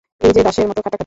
এইযে দাসের মত খাটাখাটি।